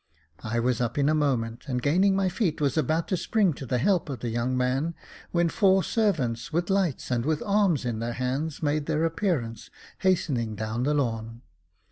I was up In a moment, and gaining my feet, was about to spring to the help of the young man, when four servants, with lights and with arms in their hands, made their appearance, hastening down the lawn.